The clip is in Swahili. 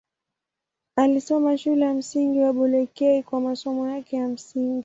Alisoma Shule ya Msingi Bulekei kwa masomo yake ya msingi.